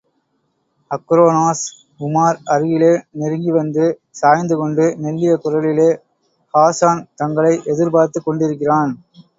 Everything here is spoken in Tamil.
அக்ரோனோஸ், உமார் அருகிலே நெருங்கி வந்து சாய்ந்துகொண்டு, மெல்லிய குரலிலே, ஹாஸான் தங்களை எதிர்பார்த்துக் கொண்டிருக்கிறான்.